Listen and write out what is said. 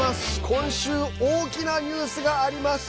今週、大きなニュースがあります。